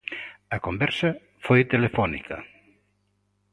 A conversa foi telefónica.